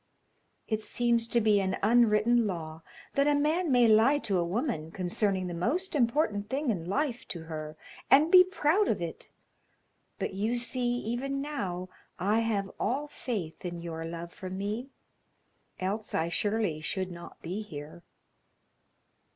It seems to be an unwritten law that a man may lie to a woman concerning the most important thing in life to her, and be proud of it, but you see even now I have all faith in your love for me, else I surely should not be here.